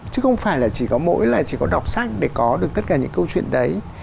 chứ không phải là chỉ có mỗi là chỉ có đọc sách để có được tất cả những câu chuyện đấy